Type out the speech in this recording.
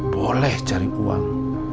boleh cari uang